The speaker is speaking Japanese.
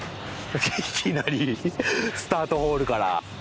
いきなりスタートホールから。